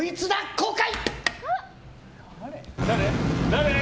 公開！